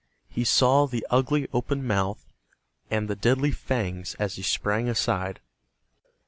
He saw the ugly open mouth and the deadly fangs as he sprang aside.